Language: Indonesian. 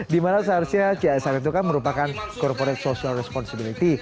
di mana seharusnya c s r itu kan merupakan corporate social responsibility